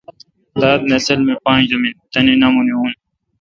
داد نسل می پانج دُوم این۔ تنے نامونے اُن۔